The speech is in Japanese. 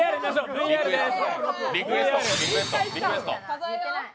ＶＡＲです。